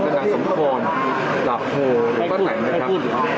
กระทั่งสมพลตรับโทพศไหลนะครับ